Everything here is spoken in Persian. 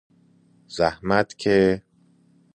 زحمت که...